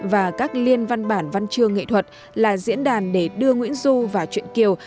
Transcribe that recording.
và các liên văn bản văn chương nghệ thuật là diễn đàn để đưa nguyễn du và truyện kiều